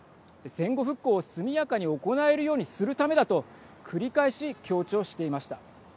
戦後復興を速やかに行えるようにするためだと繰り返し強調していました。